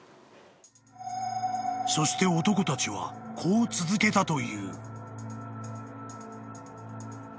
［そして男たちはこう続けたという］